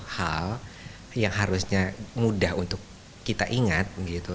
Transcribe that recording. hal yang harusnya mudah untuk kita ingat gitu